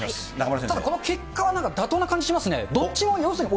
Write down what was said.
この結果は妥当な感じしますね。